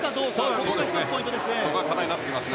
ここがポイントですね。